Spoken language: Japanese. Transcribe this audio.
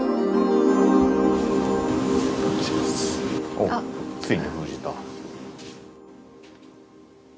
おっついに封じた。